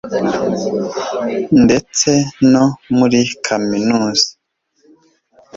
ndetse no muri kaminuza